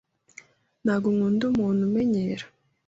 Nago nkunda umuntu umenyera